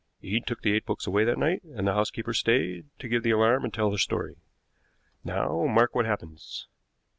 Eade took the eight books away that night, and the housekeeper stayed to give the alarm and tell her story. Now, mark what happens.